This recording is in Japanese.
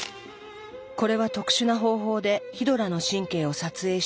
これは特殊な方法でヒドラの神経を撮影したもの。